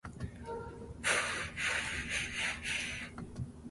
Frieden is now an Emeritus Professor of Optical Sciences at the University of Arizona.